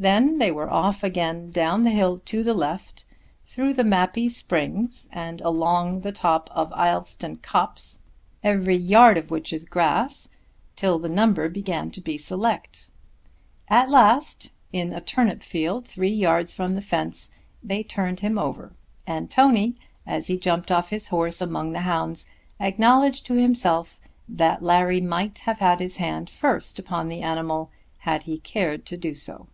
Then they were off again down the hill to the left, through Mappy springs and along the top of Ilveston copse, every yard of which is grass, till the number began to be select. At last in a turnip field, three yards from the fence, they turned him over, and Tony, as he jumped off his horse among the hounds, acknowledged to himself that Larry might have had his hand first upon the animal had he cared to do so.